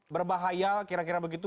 berbahaya kira kira begitu